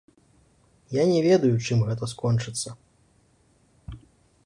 Я не ведаю, чым гэта скончыцца.